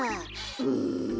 うん。